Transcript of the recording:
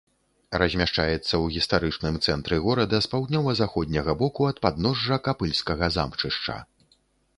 Размяшчаецца ў гістарычным цэнтры горада з паўднёва-заходняга боку ад падножжа капыльскага замчышча.